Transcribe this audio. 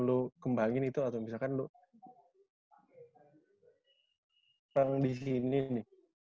lompat lebih tinggi sih